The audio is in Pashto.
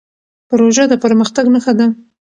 پروژه د پرمختګ نښه ده.